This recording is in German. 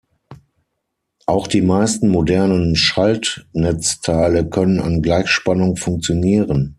Auch die meisten modernen Schaltnetzteile können an Gleichspannung funktionieren.